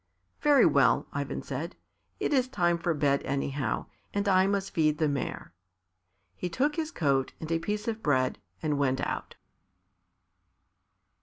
"Very well," Ivan said; "it's time for bed, anyhow, and I must feed the mare." He took his coat and a piece of bread, and went out.